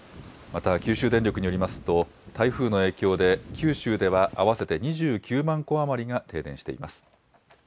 また九州電力によりますと、台風の影響で、九州では合わせて２９万戸余りが停電しています。